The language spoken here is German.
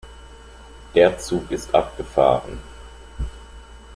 Der Zug ist abgefahren.